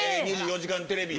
『２４時間テレビ』